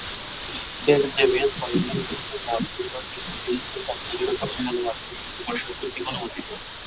Saint Xavier's collegiate school council for the Indian school certificate ও পশ্চিমবঙ্গ মাধ্যমিক শিক্ষা পর্ষদ কর্তৃক অনুমোদিত।